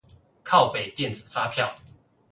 靠北電子發票